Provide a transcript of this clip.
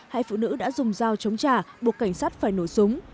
hai phụ nữ đã dùng dao chống trả buộc cảnh sát phải nổ súng